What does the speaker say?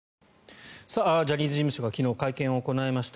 ジャニーズ事務所が昨日、会見を行いました。